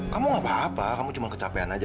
kamu gak apa apa kamu cuma kecapean aja